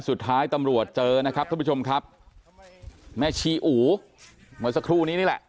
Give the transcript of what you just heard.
สุดท้ายตำรวจเจอนะครับท่านผู้ชมครับแม่ชีอูเมื่อสักครู่นี้นี่แหละ